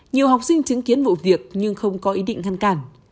nhiều học sinh chứng kiến vụ việc nhưng không có ý định ngăn cản